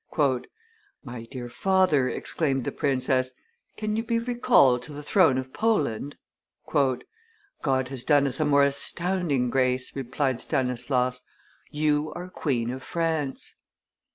"My dear father," exclaimed the princess, "can you be recalled to the throne of Poland?" "God has done us a more astounding grace," replied Stanislaus: "you are Queen of France!"